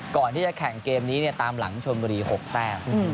ก่อนที่จะแข่งเกมนี้ตามหลังชนบุรี๖แต้ม